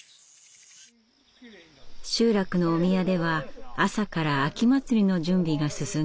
集落のお宮では朝から秋祭りの準備が進んでいました。